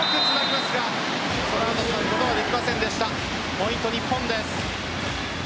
ポイント、日本です。